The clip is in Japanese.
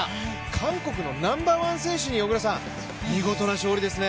韓国のナンバーワン選手に見事な勝利ですね。